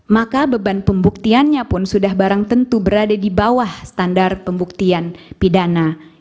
maka beban pembuktiannya pun sudah barang tentu berada di bawah standar pembuktian pidana